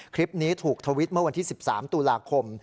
คลิปนี้ถูกทวิตเมื่อวันที่๑๓ตุลาคม